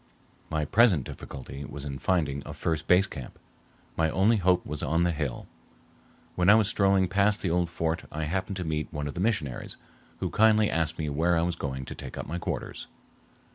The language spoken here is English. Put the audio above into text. My present difficulty was in finding a first base camp. My only hope was on the hill. When I was strolling past the old fort I happened to meet one of the missionaries, who kindly asked me where I was going to take up my quarters.